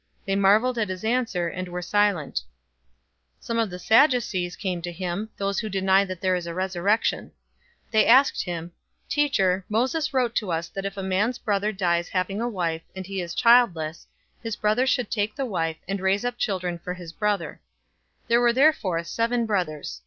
They marveled at his answer, and were silent. 020:027 Some of the Sadducees came to him, those who deny that there is a resurrection. 020:028 They asked him, "Teacher, Moses wrote to us that if a man's brother dies having a wife, and he is childless, his brother should take the wife, and raise up children for his brother. 020:029 There were therefore seven brothers.